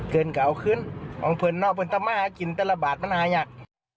เกินก็เอาขึ้นคุณเนอะเพิ่นต้องมากินแต่ละบาทมันหาย่าง